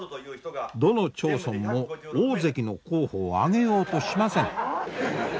どの町村も大関の候補を挙げようとしません。